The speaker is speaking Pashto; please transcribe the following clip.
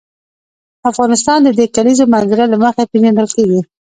افغانستان د د کلیزو منظره له مخې پېژندل کېږي.